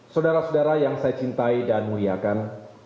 saudara saudara yang saya cintai dan muliakan